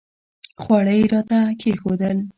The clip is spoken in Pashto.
خواړه یې راته کښېښودل.